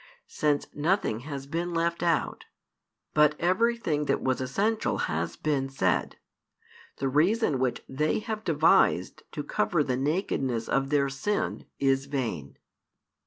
Since nothing has been left out, but everything that was essential has been said, the reason which they have devised to cover the nakedness of their sin is vain.